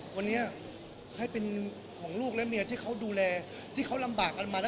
วันนี้ให้เป็นของลูกและเมียที่เขาดูแลที่เขาลำบากกันมานะ